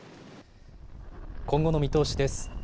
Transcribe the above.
今後の見通しです。